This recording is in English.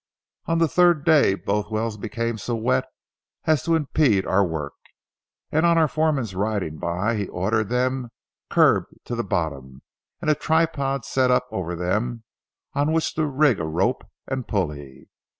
On the third day both wells became so wet as to impede our work, and on our foreman riding by, he ordered them curbed to the bottom and a tripod set up over them on which to rig a rope and pulley.